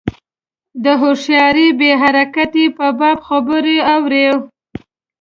د هوښیاري بې حرکتۍ په باب خبرې اورو.